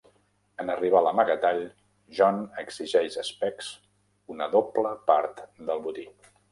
En arribar a l'amagatall, John exigeix a Specs una doble part del botí.